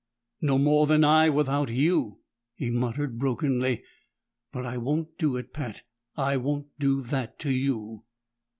"No more than I without you," he muttered brokenly. "But I won't do it, Pat! I won't do that to you!"